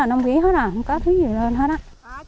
nóng ghế hết không có thứ gì lên hết